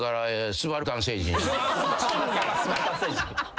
スバルタン星人。